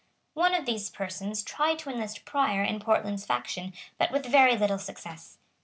One of these persons tried to enlist Prior in Portland's faction, but with very little success.